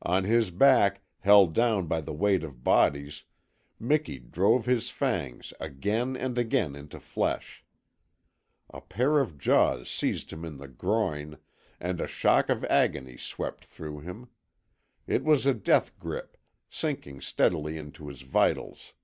On his back, held down by the weight of bodies, Miki drove his fangs again and again into flesh. A pair of jaws seized him in the groin, and a shock of agony swept through him. It was a death grip, sinking steadily into his vitals.